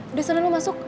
udah sana lo masuk